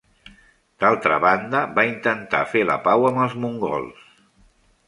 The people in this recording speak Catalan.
D'altra banda, va intentar fer la pau amb els mongols.